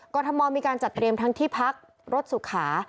ทมมีการจัดเตรียมทั้งที่พักรถสุขา